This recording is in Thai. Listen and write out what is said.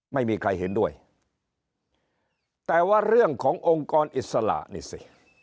ไม่มีใครเห็นด้วยแต่ว่าเรื่องขององค์กรอิสระนี่สิ